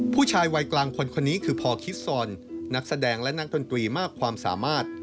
ผู้ชายวัยกลางคนคนนี้คือพอคิดซอนนักแสดงและนักดนตรีมากความสามารถ